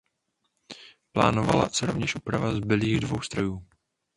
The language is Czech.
Plánovala se rovněž úprava zbylých dvou strojů.